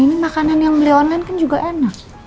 ini makanan yang beli online kan juga enak